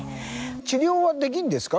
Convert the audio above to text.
治療はできるんですか？